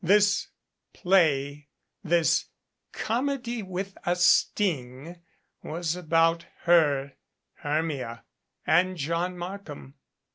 This play this "comedy with a sting" was about her Hermia and John Markham.